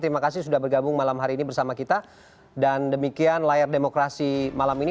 terima kasih sudah bergabung malam hari ini bersama kita dan demikian layar demokrasi malam ini